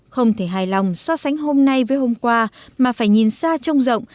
không thể hài lòng so sánh hôm nay với hôm qua mà phải nhìn xa trông rộng